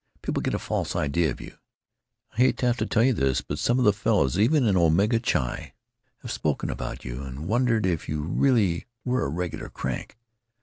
People get a false idea of you. I hate to have to tell you this, but several of the fellows, even in Omega Chi, have spoken about you, and wondered if you really were a regular crank.